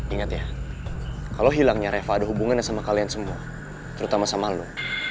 ingat ya kalau hilangnya reva ada hubungannya sama kalian semua terutama sama lu